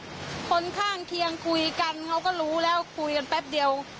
คนข้างเคียงคุยกันเขาก็รู้แล้วคุยกันแป๊บเดียว